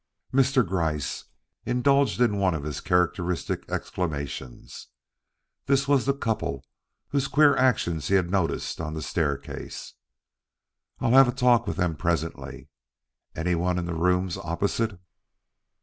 Mr. Gryce indulged in one of his characteristic exclamations. This was the couple whose queer actions he had noticed on the staircase. "I'll have a talk with them presently. Anyone in the rooms opposite?"